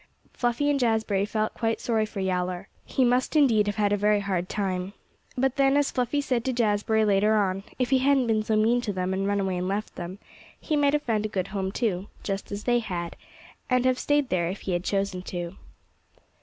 Fluffy and Jazbury felt quite sorry for Yowler. He must indeed have had a very hard time. But then, as Fluffy said to Jazbury later on, if he hadn't been so mean to them and run away and left them, he might have found a good home, too, just as they had, and have stayed there if he had chosen to.